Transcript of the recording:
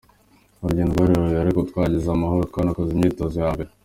“Urugendo rwari rurerure ariko twahageze amahoro twanakoze imyitozo ya mbere.